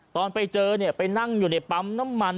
ตอนไปเจอเนี่ยไปนั่งอยู่ในปั๊มน้ำมัน